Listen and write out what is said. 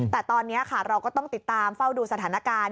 แต่ตอนนี้ค่ะเราก็ต้องติดตามเฝ้าดูสถานการณ์